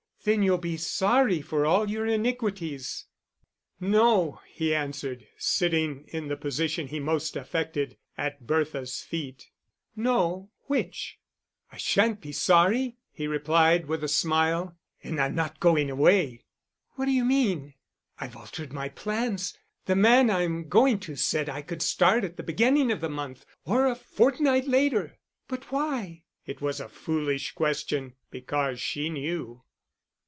"Then you'll be sorry for all your iniquities." "No!" he answered, sitting in the position he most affected, at Bertha's feet. "No which?" "I shan't be sorry," he replied, with a smile, "and I'm not going away." "What d'you mean?" "I've altered my plans. The man I'm going to said I could start at the beginning of the month or a fortnight later." "But why?" It was a foolish question, because she knew.